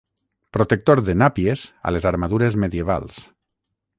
Protector de nàpies a les armadures medievals.